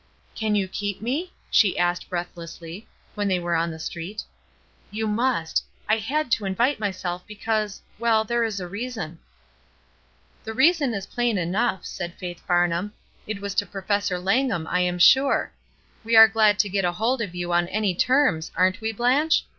"Can you keep me?" she asked breath lessly, when they were on the street. "You must; I had to invite myself, because — well, there is a reason." "The reason is plain enough," said Faith Farnham. "It was to Professor Langham, I "WOULDN'T YOU?'* 275 am sure ! We are glad to get hold of you on any terms, aren't we, Blanche?